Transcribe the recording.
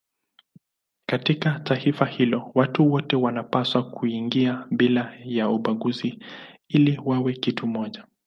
Katika taifa hilo watu wote wanapaswa kuingia bila ya ubaguzi ili wawe kitu kimoja.